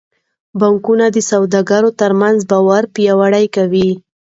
بانکونه د سوداګرو ترمنځ باور پیاوړی کوي.